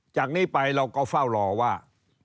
จากนี้ไปเราก็เฝ้ารอว่า